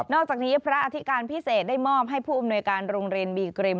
อกจากนี้พระอธิการพิเศษได้มอบให้ผู้อำนวยการโรงเรียนบีกริม